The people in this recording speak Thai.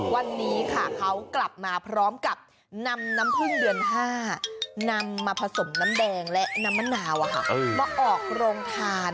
วันนี้ค่ะเขากลับมาพร้อมกับนำน้ำพึ่งเดือน๕นำมาผสมน้ำแดงและน้ำมะนาวมาออกโรงทาน